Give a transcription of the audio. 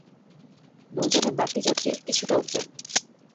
নৌযানে বাড়তি যাত্রী কিছুটা উঠবেন।